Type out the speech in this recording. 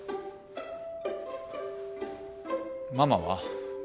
ママは？